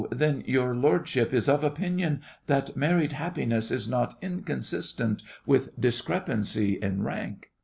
then your lordship is of opinion that married happiness is not inconsistent with discrepancy in rank?